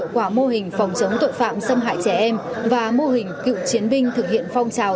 quả mô hình phòng chống tội phạm xâm hại trẻ em và mô hình cựu chiến binh thực hiện phong trào